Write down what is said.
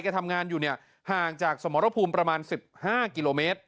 ทำงานอยู่เนี่ยห่างจากสมรภูมิประมาณ๑๕กิโลเมตร